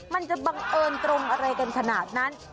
มันจะบังเอิญตรงอะไรกันขนาดนั้น